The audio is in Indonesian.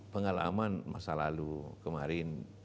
pengalaman masa lalu kemarin